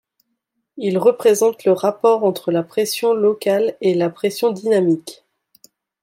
Il représente le rapport entre la pression locale et la pression dynamique.